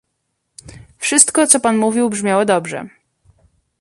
Wszystko, co Pan mówił, brzmiało dobrze